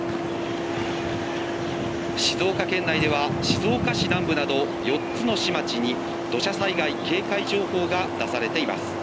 静岡県内では静岡市南部など４つの市や町に土砂災害警戒情報が出されています。